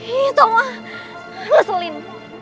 ih tolonglah leselin